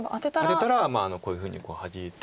アテたらこういうふうにハジいて。